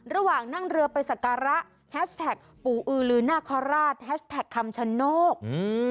ระหว่างนั่งเรือไปสักการะแฮชแท็กปู่อือลือนาคาราชแฮชแท็กคำชโนธ